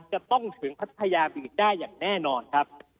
จะต้องถึงพัทยาปิวิจารณ์ได้อย่างแน่นอนครับ